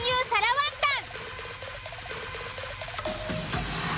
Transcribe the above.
ワンタン。